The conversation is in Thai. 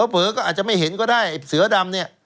เผลอก็อาจจะไม่เห็นก็ได้ไอ้เสือดำเนี่ย